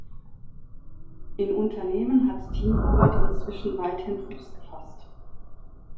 In Unternehmen hat Teamarbeit inzwischen weithin Fuß gefasst.